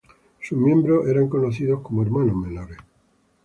Sus miembros eran conocidos como hermanos menores.